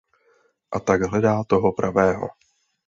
A tak hledá toho pravého.